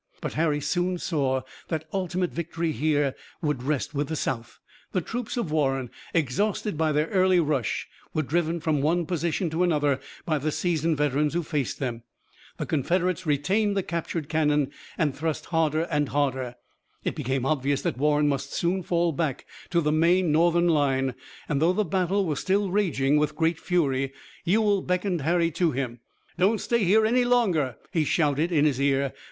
But Harry soon saw that ultimate victory here would rest with the South. The troops of Warren, exhausted by their early rush, were driven from one position to another by the seasoned veterans who faced them. The Confederates retained the captured cannon and thrust harder and harder. It became obvious that Warren must soon fall back to the main Northern line, and though the battle was still raging with great fury Ewell beckoned Harry to him. "Don't stay here any longer," he shouted in his ear.